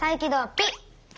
ピッ！